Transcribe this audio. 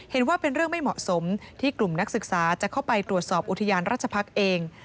เห็นว่าเป็นเรื่องไม่เหมาะสมที่กลุ่มนักศึกษาจะเข้าไปตรวจสอบอุทยานราชพักษ์เอง